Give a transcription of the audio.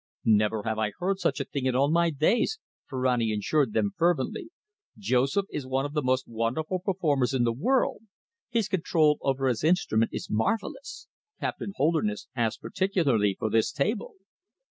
"Never have I heard such a thing in all my days," Ferrani assured them fervently. "Joseph is one of the most wonderful performers in the world. His control over his instrument is marvellous.... Captain Holderness asked particularly for this table."